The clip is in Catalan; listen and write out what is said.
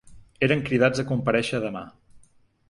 Eren cridats a comparèixer demà.